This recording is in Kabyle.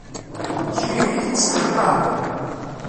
S uyefki i ttesseḍ lqahwa?